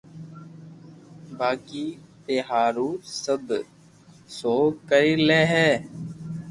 باقي َپ ھارون سب سھو ڪري لي ھي